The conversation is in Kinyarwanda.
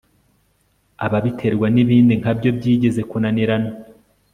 ababiterwa n'ibindi nkabyo byigeze kunanirana